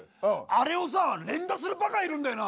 あれをさ連打するバカいるんだよな。